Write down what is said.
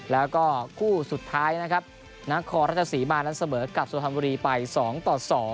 แล้วก็คู่สุดท้ายนะครับนักคอราชสีมานัสเบิร์ตกับสวรรค์ธรรมดีไป๒ต่อ๒